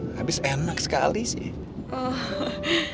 habis enak sekali sih